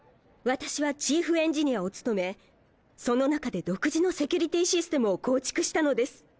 私はチーフエンジニアを務めその中で独自のセキュリティーシステムを構築したのです。